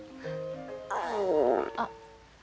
あっ。